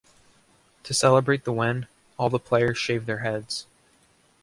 To celebrate the win, all the players shaved their heads.